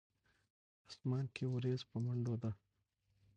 اسمان کښې وريځ پۀ منډو ده